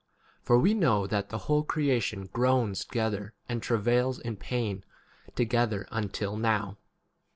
a For we know that the whole creation b groans together and travails in pain together until 23 now.